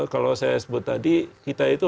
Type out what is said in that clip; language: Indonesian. kalau saya sebut tadi kita itu